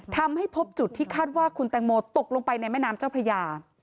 ทำให้พบจุดที่คาดว่าคุณแตงโมตกลงไปในแม่น้ำเจ้าพระยา